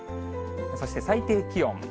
そして最低気温。